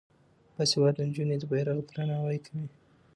باسواده نجونې د بیرغ درناوی کوي.